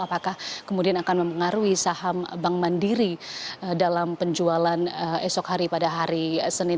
apakah kemudian akan mempengaruhi saham bank mandiri dalam penjualan esok hari pada hari senin